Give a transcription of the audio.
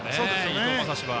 伊藤将司は。